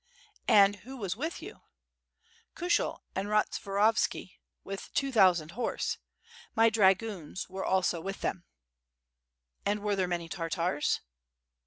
* "And who was with you?" "Kushel and Rotzvorovski with two thousand horse. My dragoons were also with them." "And were there many Tartars?"